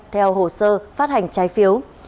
theo hồ sơ phát hành trái phiếu